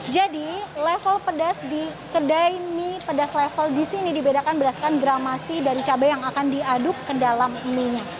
jadi level pedas di kedai mie pedas level di sini dibedakan berdasarkan gramasi dari cabai yang akan diaduk ke dalam mie nya